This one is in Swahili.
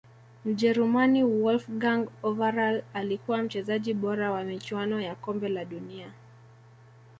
mjerumani wolfgang overalh alikuwa mchezaji bora wa michuano ya kombe la dunia